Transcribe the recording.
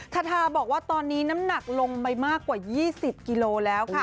ทาทาบอกว่าตอนนี้น้ำหนักลงไปมากกว่า๒๐กิโลแล้วค่ะ